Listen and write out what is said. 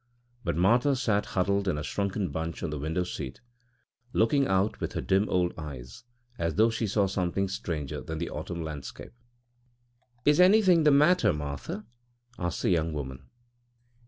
But Martha sat huddled in a shrunken bunch on the window seat, looking out with her dim old eyes as though she saw something stranger than the autumn landscape. < 3 > "Is anything the matter, Martha?" asked the young woman.